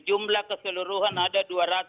jumlah keseluruhan ada dua ratus